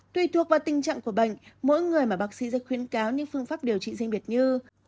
tùy thuộc vào tình trạng của bệnh mỗi người mà bác sĩ ra khuyến cáo những phương pháp điều trị riêng biệt như